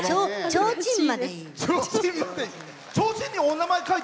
ちょうちんまでいい！